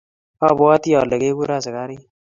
abwatii ale kekur askarik